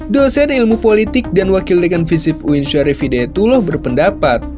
dan ilmu politik dan wakil dekan visip uin syarif hidayatullah berpendapat